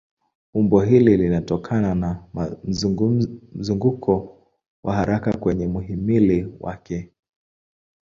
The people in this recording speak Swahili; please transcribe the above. Umbo hili linatokana na mzunguko wa haraka kwenye mhimili wake.